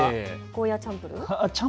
ゴーヤーチャンプルー？